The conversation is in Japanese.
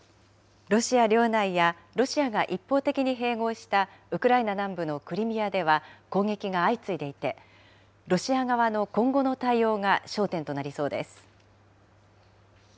ロシア領内やロシアが一方的に併合したウクライナ南部のクリミアでは攻撃が相次いでいて、ロシア側の今後の対応が焦点となりそうです。